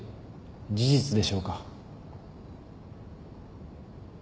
事実でしょうか？